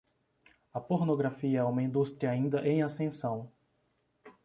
A pornografia é uma indústria ainda em ascensão